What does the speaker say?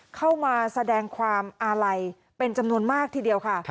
เข้ามาแสดงความอาลัยเป็นจำนวนมากทีเดียวค่ะ